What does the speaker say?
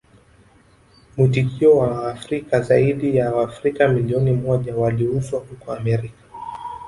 Mwitikio wa Waafrika Zaidi ya Waafrika milioni moja waliuzwa huko Amerika